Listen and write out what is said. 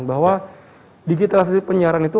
bahwa digitalisasi penyiaran itu